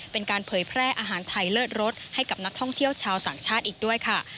เป็นการเผยแพร่อาหารไทยเลิศรสให้กับนักท่องเที่ยวชาวต่างชาติอีกด้วยค่ะ